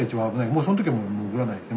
もうその時はもう潜らないです